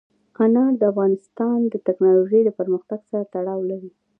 انار د افغانستان د تکنالوژۍ پرمختګ سره تړاو لري.